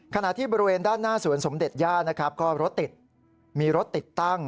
ขณะที่บริเวณด้านหน้าสวนสมเด็จย่านะครับก็รถติดมีรถติดตั้ง